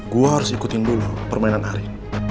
gue harus ikutin dulu permainan hari